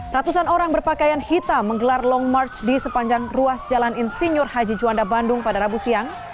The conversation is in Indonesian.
ratusan orang berpakaian hitam menggelar long march di sepanjang ruas jalan insinyur haji juanda bandung pada rabu siang